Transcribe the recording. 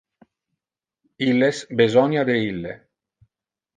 Illes besonia de ille.